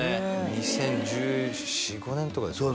２０１４２０１５年とかですかね